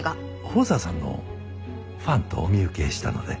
宝山さんのファンとお見受けしたので。